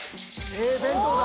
ええ弁当だ！